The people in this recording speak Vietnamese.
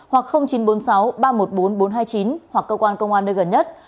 hoặc chín trăm bốn mươi sáu ba trăm một mươi bốn nghìn bốn trăm hai mươi chín hoặc cơ quan công an nơi gần nhất